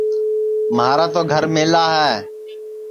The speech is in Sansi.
مھارا تو گھر میلا ہے